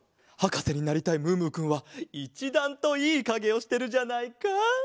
はかせになりたいムームーくんはいちだんといいかげをしてるじゃないか。